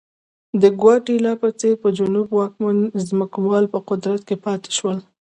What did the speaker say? د ګواتیلا په څېر د جنوب واکمن ځمکوال په قدرت کې پاتې شول.